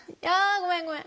ごめんごめん。